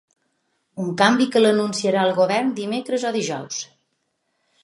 Un canvi que l’anunciarà el govern dimecres o dijous.